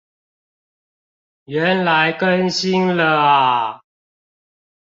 原來更新了啊